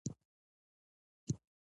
د مثانې د سوزش لپاره د هندواڼې اوبه وڅښئ